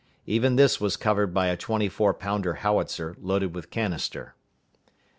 Even this was covered by a twenty four pounder howitzer, loaded with canister.